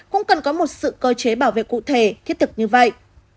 cũng cần có một sự cơ chế bảo vệ cụ thể thiết thực như vậy